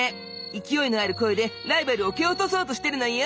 勢いのある声でライバルを蹴落とそうとしてるのよ。